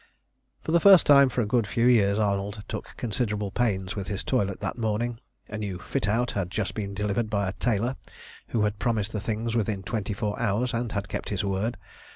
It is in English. For the first time for a good few years Arnold took considerable pains with his toilet that morning. A new fit out had just been delivered by a tailor who had promised the things within twenty four hours, and had kept his word.